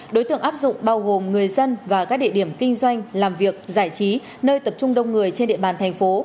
đối tượng áp dụng bao gồm người dân và các địa điểm kinh doanh làm việc giải trí nơi tập trung đông người trên địa bàn thành phố